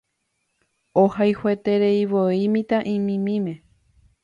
Ohayhuetereivoi mitã'imimíme.